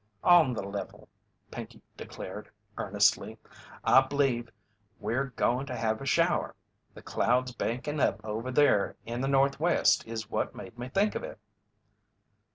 "On the level," Pinkey declared, earnestly, "I bleeve we're goin' to have a shower the clouds bankin' up over there in the northwest is what made me think of it."